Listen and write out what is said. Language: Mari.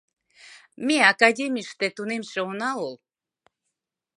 Ме академийыште тунемше она ул...